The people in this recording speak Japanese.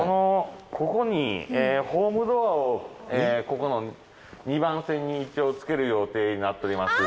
ここにホームドアをここの２番線に一応つける予定になっております。